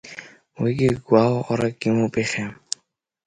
Уигьы гәалаҟарак имоуп иахьа.